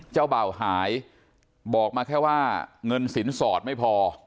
เจ้าเบ่าหายบอกมาแค่ว่าเงินสินสอดไม่พอ